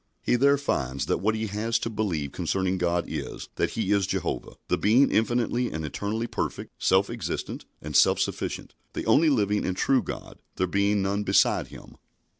He there finds that what he has to believe concerning God is, that He is Jehovah the Being infinitely and eternally perfect, self existent, and self sufficient; the only living and true God, there being none beside Him.